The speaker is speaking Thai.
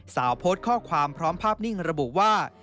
โพสต์ข้อความพร้อมภาพนิ่งระบุว่า